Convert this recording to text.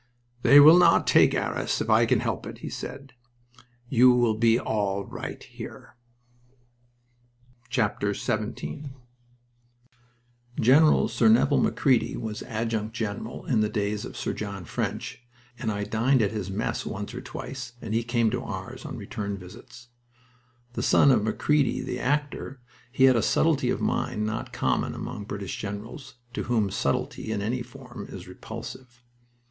"They will not take Arras if I can help it," he said. "You will be all right here." XVII Gen. Sir Neville Macready was adjutant general in the days of Sir John French, and I dined at his mess once or twice, and he came to ours on return visits. The son of Macready, the actor, he had a subtlety of mind not common among British generals, to whom "subtlety" in any form is repulsive.